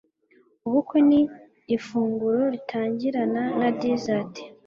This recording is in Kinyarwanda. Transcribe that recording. Ubukwe ni ifunguro ritangirana na desert